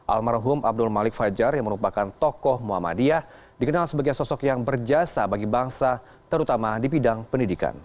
almarhum abdul malik fajar yang merupakan tokoh muhammadiyah dikenal sebagai sosok yang berjasa bagi bangsa terutama di bidang pendidikan